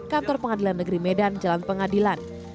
kantor pengadilan negeri medan jalan pengadilan